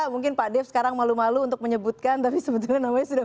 mungkin pak dev sekarang malu malu untuk menyebutkan tapi sebetulnya namanya sudah